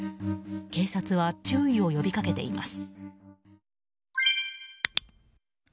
警察は、注意を呼びかけています。